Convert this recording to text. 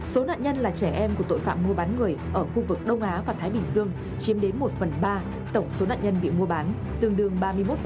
số nạn nhân là trẻ em của tội phạm mua bán người ở khu vực đông á và thái bình dương chiếm đến một phần ba tổng số nạn nhân bị mua bán tương đương ba mươi một